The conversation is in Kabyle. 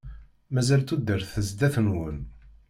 Mazal tudert zdat-wen.